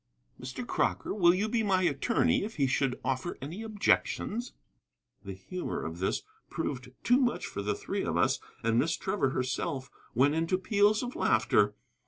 Mr. Crocker, will you be my attorney if he should offer any objections?" The humor of this proved too much for the three of us, and Miss Trevor herself went into peals of laughter.